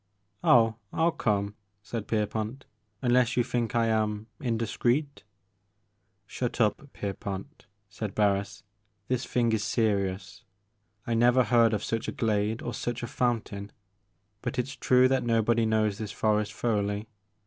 "Oh, I '11 come," said Pierpont, "unless you think I am indiscreet "" Shut up, Pierpont," said Barris, "this thing is serious ; I never heard of such a glade or such a fountain, but it 's true that nobody knows this forest thoroughly.